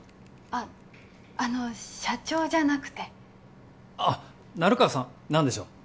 あっあの社長じゃなくてあっ成川さん何でしょう？